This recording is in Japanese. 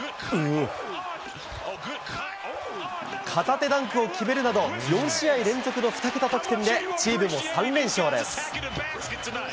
片手ダンクを決めるなど、４試合連続の２桁得点でチームも３連勝です。